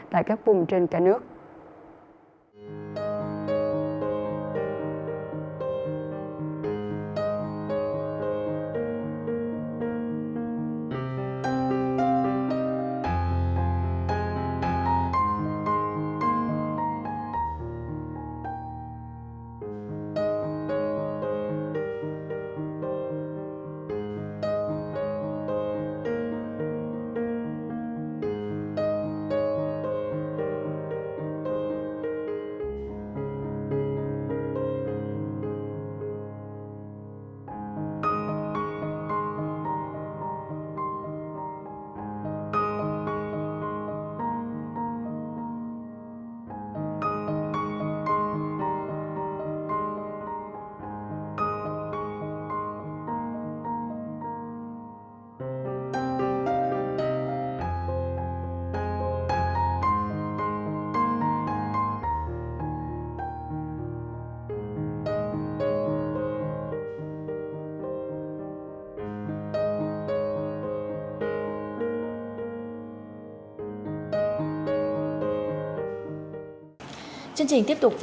tại các vùng trên cả nước